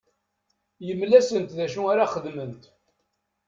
Yemla-asent d acu ara xedment.